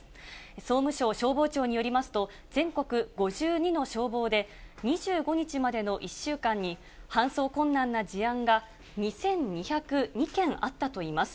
総務省消防庁によりますと、全国５２の消防で、２５日までの１週間に、搬送困難な事案が２２０２件あったといいます。